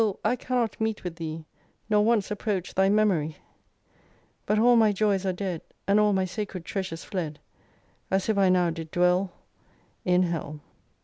I cannot meet with thee, Nor once approach thy memory, 197 But all my joys are dead, And all my sacred Treasures fled ; As if I now did dwell In Hell.